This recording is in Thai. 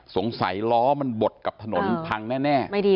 ล้อมันบดกับถนนพังแน่